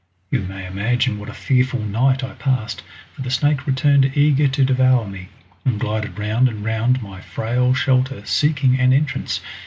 You may imagine what a fearful night I passed, for the snake returned eager to devour me, and glided round and round my frail shelter seeking an entrance.